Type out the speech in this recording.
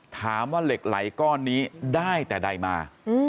ถามว่าเหล็กไหลก้อนนี้ได้แต่ใดมา